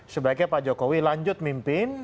sebaiknya pak jokowi lanjut mimpin